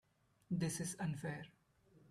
This is unfair.